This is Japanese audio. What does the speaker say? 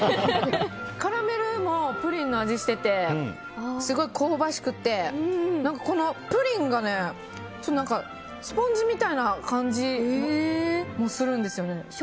カラメルもプリンの味してて香ばしくてこのプリンがスポンジみたいな感じもするんですよね。